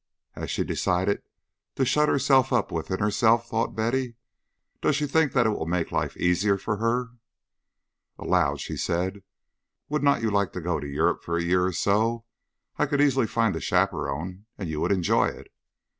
"Has she decided to shut herself up within herself?" thought Betty. "Does she think that will make life easier for her?" Aloud she said, "Would not you like to go to Europe for a year or so? I could easily find a chaperon, and you would enjoy it."